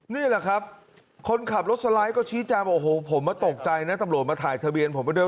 นี่แหละครับคนขับรถสไลด์ก็ชี้แจงโอ้โหผมมาตกใจนะตำรวจมาถ่ายทะเบียนผมไปด้วย